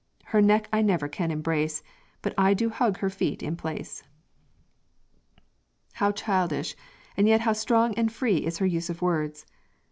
Her neck I never can embrace, But I do hug her feet in place." How childish and yet how strong and free is her use of words!